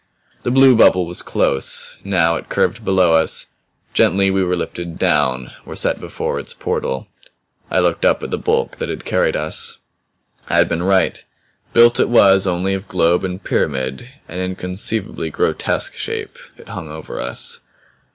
The blue bubble was close; now it curved below us. Gently we were lifted down; were set before its portal. I looked up at the bulk that had carried us. I had been right built it was only of globe and pyramid; an inconceivably grotesque shape, it hung over us.